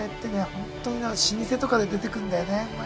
ホントに老舗とかで出てくるんだよね。